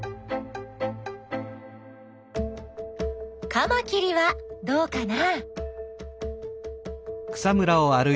カマキリはどうかな？